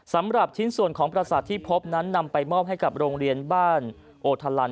สำหรับชิ้นส่วนของประสาทที่พบนั้นนำไปมอบให้กับโรงเรียนบ้านโอทานัน